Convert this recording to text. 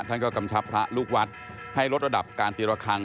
ท่านก็กำชับพระลูกวัดให้ลดระดับการตีระคัง